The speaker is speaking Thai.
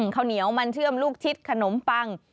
ข้าวเหนียวมันเชื่อมลูกชิดขนมปัง